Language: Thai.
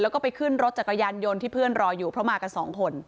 แล้วก็ไปขึ้นรถจักรยานยนต์ที่เพื่อนรออยู่เพราะมากันสองคน